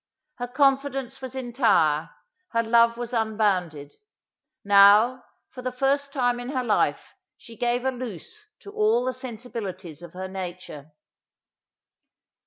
Her confidence was entire; her love was unbounded. Now, for the first time in her life she gave a loose to all the sensibilities of her nature.